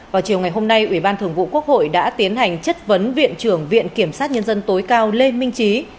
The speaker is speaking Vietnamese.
vào chiều ngày hôm nay ủy ban thường vụ quốc hội đã tiến hành chất vấn viện trưởng viện kiểm sát nhân dân tối cao lê minh trí